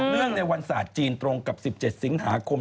เรื่องในวันศาสตร์จีนตรงกับ๑๗สิงหาคม